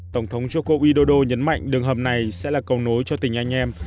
tổng thống joko widodo nhấn mạnh đường hầm này sẽ là cầu nối cho tình anh em